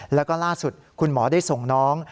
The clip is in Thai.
แล้วก็ล่าสุดคุณหมอได้ส่งน้อง